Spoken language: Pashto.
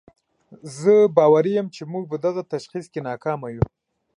زه باوري یم چې موږ په دغه تشخیص کې ناکامه یو.